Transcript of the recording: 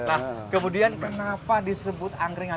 nah kemudian kenapa disebut angkringan